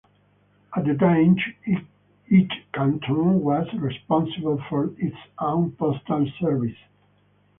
At the time each canton was responsible for its own postal service.